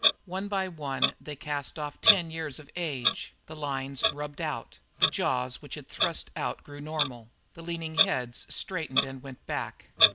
One by one, they cast off ten years of age; the lines rubbed out; the jaws which had thrust out grew normal; the leaning heads straightened and went back.